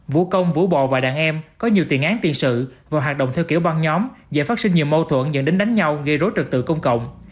vũ công vũ bò và đàn em có nhiều tiền án tiền sự và hoạt động theo kiểu băng nhóm giải phát sinh nhiều mâu thuẫn dẫn đến đánh nhau gây rối trật tự công cộng